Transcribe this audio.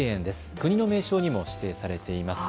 国の名勝にも指定されています。